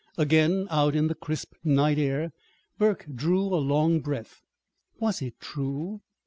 Again out in the crisp night air, Burke drew a long breath. Was it true?